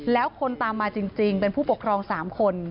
แล้วคนตามมาจริงเป็นผู้ปกครอง๓คน